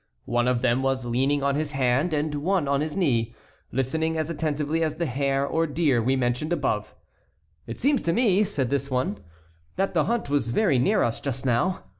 One of them was leaning on his hand and on one knee, listening as attentively as the hare or deer we mentioned above. "It seems to me," said this one, "that the hunt was very near us just now.